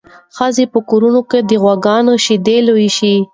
ښځې په کورونو کې د غواګانو شیدې لوشي.